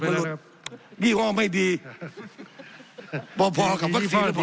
สับขาหลอกกันไปสับขาหลอกกันไป